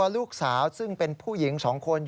มันเกิดเหตุเป็นเหตุที่บ้านกลัว